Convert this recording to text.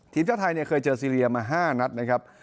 ทีมชาติไทยเคยเจอซีเรียมา๕นัดนะครับ